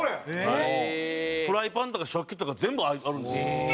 フライパンとか食器とか全部あるんですよ。